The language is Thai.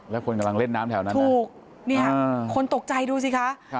แล้วคนกำลังเล่นน้ำแถวนั้นถูกเนี่ยคนตกใจดูสิคะ